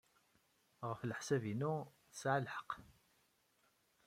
Ɣef leḥsab-inu, tesɛa lḥeqq.